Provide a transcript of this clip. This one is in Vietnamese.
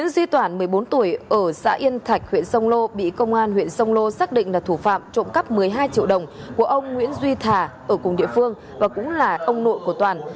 xã yên thạch huyện sông lô bị công an huyện sông lô xác định là thủ phạm trộm cắp một mươi hai triệu đồng của ông nguyễn duy thà ở cùng địa phương và cũng là ông nội của toàn